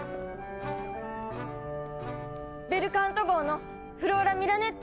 ベルカント号のフローラ・ミラネッティです！